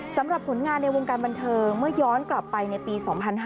สำหรับผลงานในวงการบันเทิงเมื่อย้อนกลับไปในปี๒๕๕๙